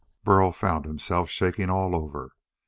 Burl found himself shaking all over.